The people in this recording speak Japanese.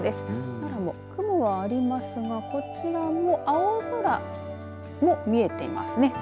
奈良も雲はありますがこちらも青空も見えていますね。